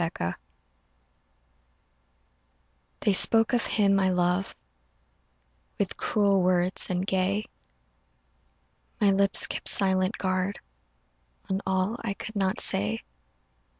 FEBRUARY THEY spoke of him I love With cruel words and gay; My lips kept silent guard On all I could not say.